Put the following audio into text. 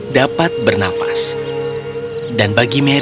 danat witranya itu seperti apa mas